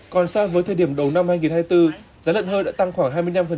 còn so với thời điểm đầu năm hai nghìn hai mươi bốn giá lợn hơi đã tăng khoảng hai mươi năm